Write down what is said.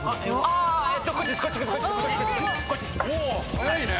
早いね！